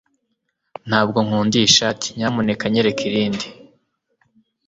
Ntabwo nkunda iyi shati Nyamuneka nyereka irindi